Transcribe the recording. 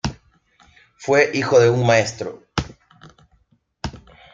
Fue hijo de un maestro.